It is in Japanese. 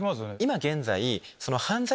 今現在。